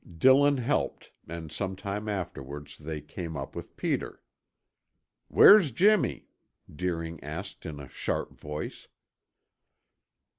Dillon helped and some time afterwards they came up with Peter. "Where's Jimmy?" Deering asked in a sharp voice.